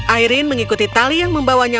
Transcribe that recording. airin mengikuti tali yang membawanya